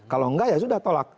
kalau enggak ya sudah tolak